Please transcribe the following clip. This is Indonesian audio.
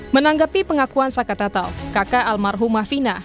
menanggapi pengakuan saka tatal kakak almarhumah fina